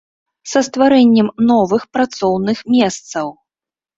Са стварэннем новых працоўных месцаў.